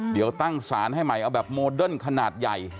เดี๋ยวตั้งสารให้ใหม่เอาแบบโมเดิร์นขนาดใหญ่